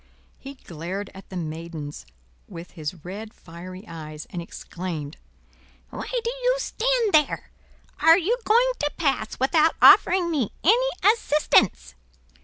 He glared at the Maidens with his red fiery eyes, and exclaimed, "Why do you stand there? are you going to pass without offering me any assistance?"